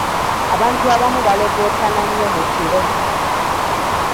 Abantu abamu balogootana nnyo mu kiro.